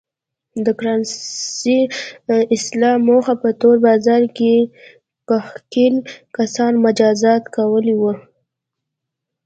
د کرنسۍ اصلاح موخه په تور بازار کې ښکېل کسان مجازات کول و.